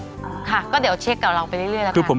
ค่ะก็เดี๋ยวเช็คกับเราไปเรื่อยแล้วกัน